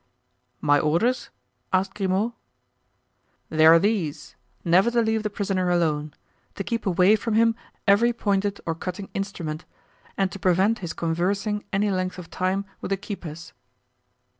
"My orders?" asked Grimaud. "They are these; never to leave the prisoner alone; to keep away from him every pointed or cutting instrument, and to prevent his conversing any length of time with the keepers."